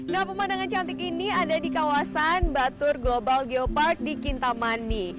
nah pemandangan cantik ini ada di kawasan batur global geopark di kintamani